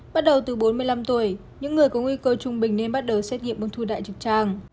bắt đầu từ bốn mươi năm tuổi những người có nguy cơ trung bình nên bắt đầu xét nghiệm ung thư đại trực tràng